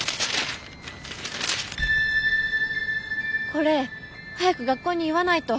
これ早く学校に言わないと。